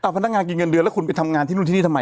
พนักงานกินเงินเดือนแล้วคุณไปทำงานที่นู่นที่นี่ทำไม